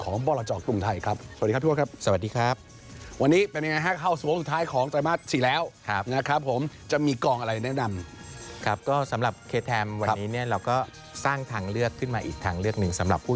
ของบรจักรภิกษา